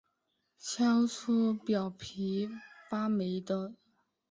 挑出表皮发霉的